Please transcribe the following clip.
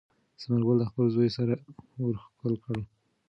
ثمر ګل د خپل زوی سر ور ښکل کړ.